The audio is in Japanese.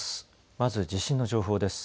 まず地震の情報です。